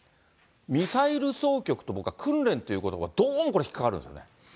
ミサイル総局と僕は訓練ということばが、どうもこれ引っかかるんですよね。